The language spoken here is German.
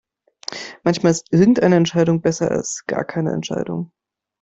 Manchmal ist irgendeine Entscheidung besser als gar keine Entscheidung.